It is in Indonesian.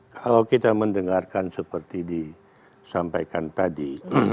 kalau kita mendengarkan seperti disampaikan tadi